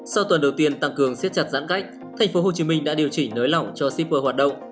sau tuần đầu tiên tăng cường siết chặt giãn cách tp hcm đã điều chỉnh nới lỏng cho shipper hoạt động